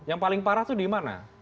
yang paling parah itu di mana